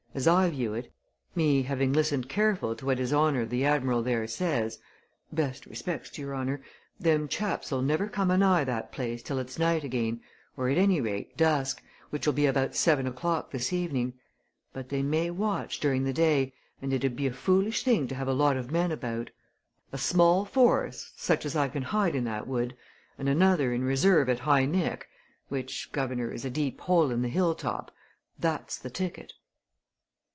As I view it, me having listened careful to what his honour the Admiral there says best respects to your honour them chaps'll never come a nigh that place till it's night again, or at any rate, dusk, which'll be about seven o'clock this evening. But they may watch, during the day, and it 'ud be a foolish thing to have a lot of men about. A small force such as I can hide in that wood, and another in reserve at High Nick, which, guv'nor, is a deep hole in the hill top that's the ticket!"